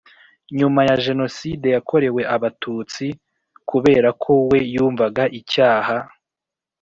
Nyuma ya jenoside yakorewe abatutsi kubera ko we yumvaga icyaha